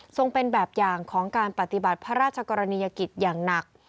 เป็นแบบอย่างของการปฏิบัติพระราชกรณียกิจอย่างหนัก